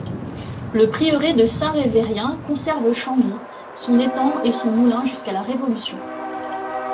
Le prieuré de Saint-Révérien conserve Changy, son étang et son moulin jusqu'à la révolution.